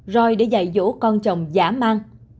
roi để dạy dỗ con chồng dã man